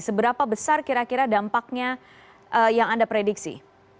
seberapa besar kira kira dampaknya yang anda prediksi